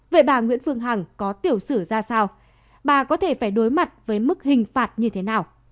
vậy bà nguyễn phương hằng có tiểu sử ra sao bà có thể phải đối mặt với mức hình phạt như thế nào